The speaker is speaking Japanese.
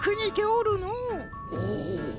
お。